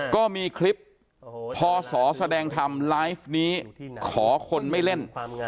ก็มีคลิปพศแสดงธรรมไลฟ์นี้ขอคนไม่เล่น